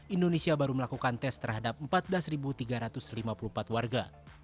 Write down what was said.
indonesia baru melakukan tes terhadap empat belas tiga ratus lima puluh empat warga